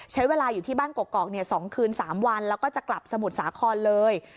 ใช้เวลาอยู่ที่บ้านกอก๒คืน๓วันแล้วก็จะกลับสมุทรสาครเลย